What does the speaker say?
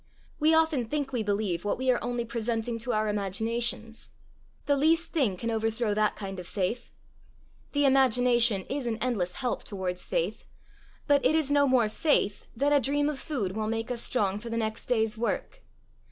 We often think we believe what we are only presenting to our imaginations. The least thing can overthrow that kind of faith. The imagination is an endless help towards faith, but it is no more faith than a dream of food will make us strong for the next day's work.